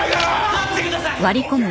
待ってください！